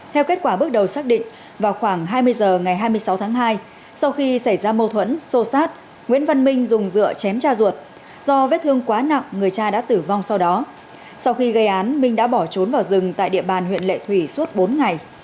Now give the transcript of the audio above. theo kết quả bước đầu xác định vào khoảng hai mươi h ngày hai mươi sáu tháng hai sau khi xảy ra mâu thuẫn xô xát nguyễn văn minh dùng dựa chém cha ruột do vết thương quá nặng người cha đã tử vong sau đó sau khi gây án minh đã bỏ trốn vào rừng tại địa bàn huyện lệ thủy suốt bốn ngày